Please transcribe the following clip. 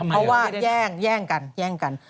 เพราะว่าแย่งกันแย่งกัน